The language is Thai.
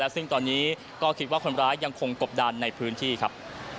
ซึ่งตอนนี้ก็คิดว่าคนร้ายยังคงกบดันในพื้นที่ครับ